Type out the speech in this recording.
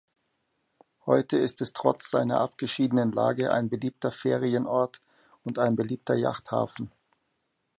Heute ist es trotz seiner abgeschiedenen Lage ein beliebter Ferienort und ein beliebter Yachthafen.